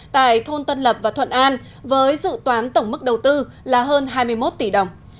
tại thôn tân lập và thuận an với dự toán tổng mức đầu tư là hơn hai mươi một tỷ đồng